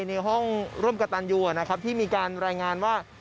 ในห้องร่วมกับตันยูนะครับที่มีการรายงานว่า